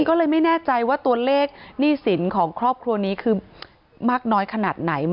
ก็เลยไม่แน่ใจว่าตัวเลขหนี้สินของครอบครัวนี้คือมากน้อยขนาดไหน